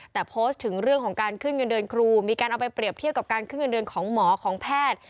แต่โพสต์ถึงเรื่องของการเคลื่อนเดินครูมีการเอาไปเปรียบเที่ยวกับการเคลื่อนเดินของหมอของแพทย์